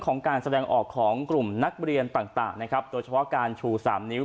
ของการแสดงออกของกลุ่มนักเรียนต่างนะครับโดยเฉพาะการชูสามนิ้ว